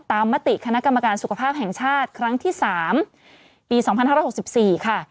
มติคณะกรรมการสุขภาพแห่งชาติครั้งที่๓ปี๒๕๖๔ค่ะ